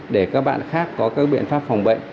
để các bạn khác có các biện pháp phòng bệnh